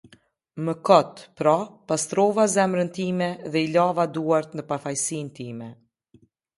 Më kot, pra, pastrova zemrën time dhe i lava duart në pafajësinë time.